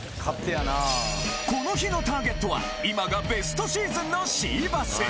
この日のターゲットは今がベストシーズンのシーバス。